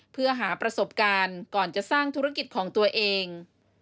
เพื่อหาประสบการณ์ก่อนจะสร้างธุรกิจของตัวเอง